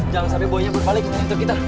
jangan sampai boynya berbalik menuntut kita